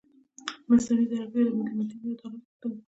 مصنوعي ځیرکتیا د معلوماتي عدالت غوښتنه کوي.